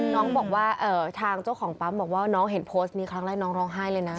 น้องบอกว่าทางเจ้าของปั๊มบอกว่าน้องเห็นโพสต์นี้ครั้งแรกน้องร้องไห้เลยนะ